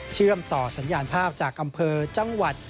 เชื่อมต่อสัญญาณภาพจากอำเภอจังหวัด